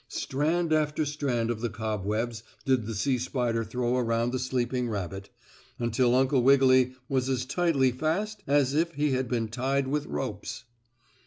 Strand after strand of the cobwebs did the sea spider throw around the sleeping rabbit, until Uncle Wiggily was as tightly fast as if he had been tied with ropes.